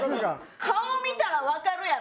顔見たらわかるやろ！